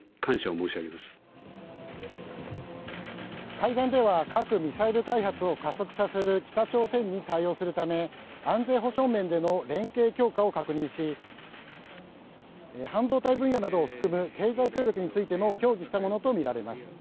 会談では核・ミサイル開発を加速させる北朝鮮に対応するため安全保障面での連携強化を確認し半導体分野などを含む経済協力についても協議したものとみられます。